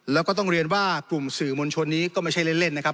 แล้วก็ต้องเรียนว่ากลุ่มสื่อมวลชนนี้ก็ไม่ใช่เล่นนะครับ